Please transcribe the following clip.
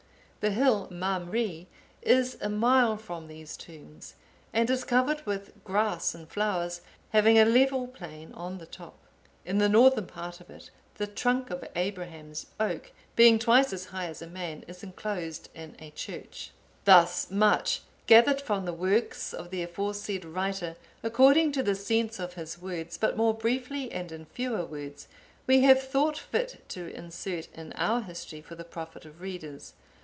The hill Mamre is a mile from these tombs, and is covered with grass and flowers, having a level plain on the top. In the northern part of it, the trunk of Abraham's oak, being twice as high as a man, is enclosed in a church." Thus much, gathered from the works of the aforesaid writer, according to the sense of his words, but more briefly and in fewer words, we have thought fit to insert in our History for the profit of readers.